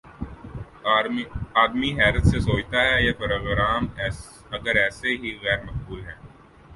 آدمی حیرت سے سوچتا ہے: یہ پروگرام اگر ایسے ہی غیر مقبول ہیں